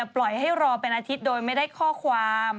ปล่อยให้รอเป็นอาทิตย์โดยไม่ได้ข้อความ